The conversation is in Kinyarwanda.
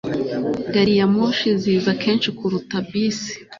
gariyamoshi ziza kenshi kuruta bisi